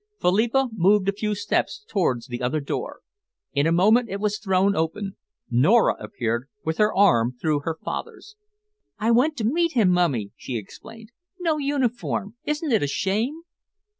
Philippa moved a few steps towards the other door. In a moment it was thrown open. Nora appeared, with her arm through her father's. "I went to meet him, Mummy," she explained. "No uniform isn't it a shame!"